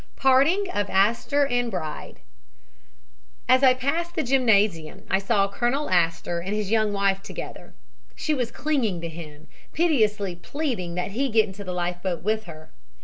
PARTING OF ASTOR AND BRIDE "As I passed the gymnasium I saw Colonel Astor and his young wife together. She was clinging to him, piteously pleading that he go into the life boat with her.